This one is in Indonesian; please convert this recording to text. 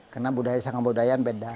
karena budaya sangat berbeda